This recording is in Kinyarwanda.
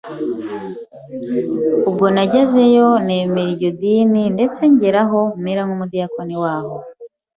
Ubwo nagezeyo nemera iryo dini ndetse ngera aho mera nk’umu diyakoni waho,